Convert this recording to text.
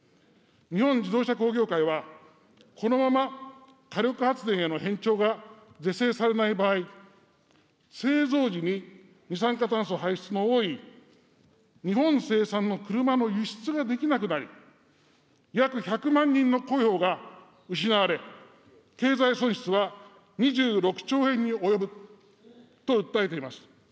日本自動車工業会は、このまま火力発電への偏重が是正されない場合、製造時に二酸化炭素排出の多い、日本生産の車の輸出ができなくなり、約１００万人の雇用が失われ、経済損失は２６兆円に及ぶと訴えています。